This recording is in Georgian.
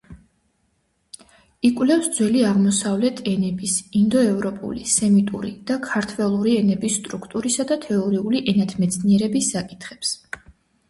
იკვლევს ძველი აღმოსავლეთ ენების, ინდოევროპული, სემიტური და ქართველური ენების სტრუქტურისა და თეორიული ენათმეცნიერების საკითხებს.